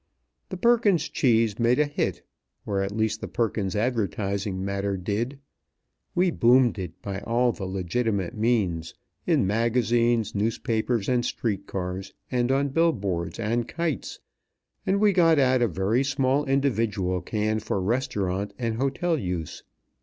The Perkins cheese made a hit, or at least the Perkins advertising matter did. We boomed it by all the legitimate means, in magazines, newspapers, and street cars, and on bill boards and kites; and we got out a very small individual can for restaurant and hotel use.